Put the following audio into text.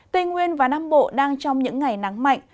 tây nguyên và nam bộ đang trong những ngày nắng mạnh